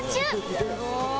「すごい！」